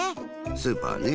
スーパーね。